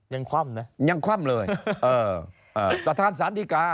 ยังคว่ำนะยังคว่ำเลยเออ